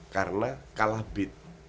karena kalah bid